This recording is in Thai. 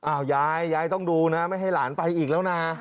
ยายยายต้องดูนะไม่ให้หลานไปอีกแล้วนะ